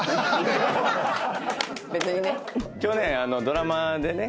去年ドラマでね